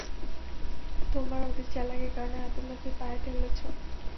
তোমার অতি চালাকির কারণে হাতের লক্ষী পায়ে ঠেলেছ।